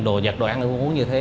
đồ nhặt đồ ăn uống như thế